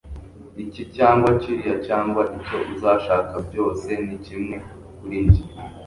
Iki cyangwa kiriya cyangwa icyo uzashaka byose ni kimwe kuri njye